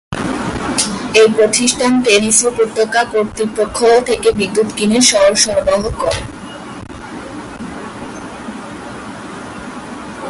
এই প্রতিষ্ঠান টেনেসি উপত্যকা কর্তৃপক্ষ থেকে বিদ্যুৎ কিনে শহরে সরবরাহ করে।